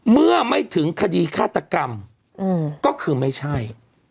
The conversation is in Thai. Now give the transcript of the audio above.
เมื่อไม่ถึงคดีฆาตกรรมก็คือไม่ใช่